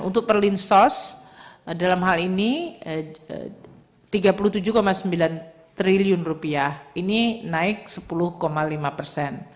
untuk perlinsos dalam hal ini rp tiga puluh tujuh sembilan triliun ini naik sepuluh lima persen